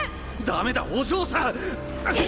ダメだお嬢さん